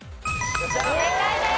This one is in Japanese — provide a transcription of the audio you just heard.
正解です。